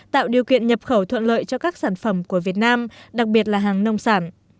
tạo điều kiện nhập khẩu thuận lợi cho các sản phẩm của việt nam đặc biệt là hàng nông sản